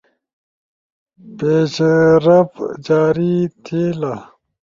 پیش رفٹ جاری تھئیلا